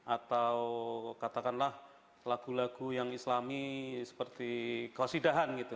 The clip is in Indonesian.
atau katakanlah lagu lagu yang islami seperti kosidahan gitu